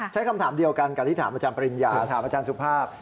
คำถามเดียวกันกับที่ถามอาจารย์ปริญญาถามอาจารย์สุภาพ